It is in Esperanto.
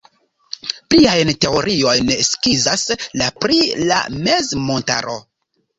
Pliajn teoriojn skizas la pri la mezmontaro.